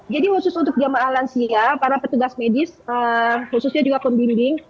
jadi khusus untuk jemaah alansia para petugas medis khususnya juga pembimbing